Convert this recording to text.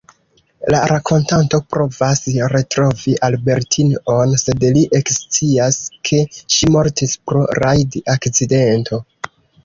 La rakontanto provas retrovi Albertine-on, sed li ekscias ke ŝi mortis pro rajd-akcidento.